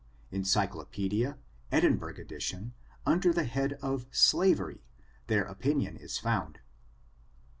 — EneycUh peedia, Edinburgh edition^ under the head of Slav ery ^ their opinion is found.